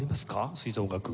吹奏楽。